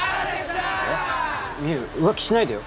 美優浮気しないでよ。